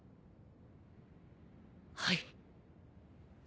はい。